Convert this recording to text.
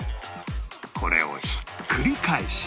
これをひっくり返し